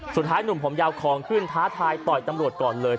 สุดท้ายหนุ่มผมยาวของขึ้นท้าทายต่อยตำรวจก่อนเลย